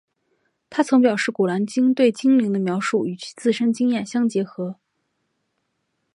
她曾表示古兰经对精灵的描述与其自身经验相符合。